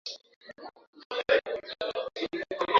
Tuvuze akamenyero ke ko kurya, barigomeka sibyo?